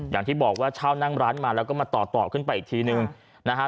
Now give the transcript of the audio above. อย่างที่บอกว่าเช่านั่งร้านมาแล้วก็มาต่อขึ้นไปอีกทีนึงนะฮะ